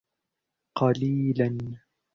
قليلا.